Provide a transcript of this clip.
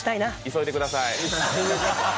急いでください。